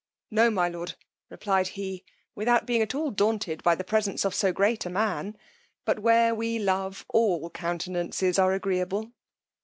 No, my lord, replied he, without being at all daunted at the presence of so great a man; but where we love all countenances are agreeable.